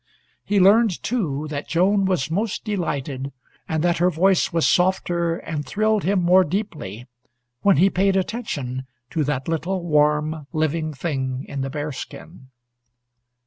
He learned, too, that Joan was most delighted, and that her voice was softer and thrilled him more deeply, when he paid attention to that little, warm, living thing in the bearskin.